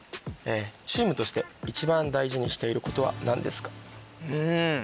チームとして一番大事にしていることは何ですか？